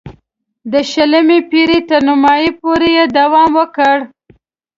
د شلمې پېړۍ تر نیمايی پورې یې دوام وکړ.